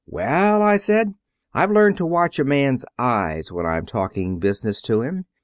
"'Well,' I said, 'I've learned to watch a man's eyes when I'm talking business to him.